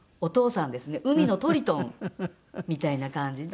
海のトリトンみたいな感じで。